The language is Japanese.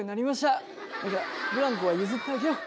だからブランコは譲ってあげよう。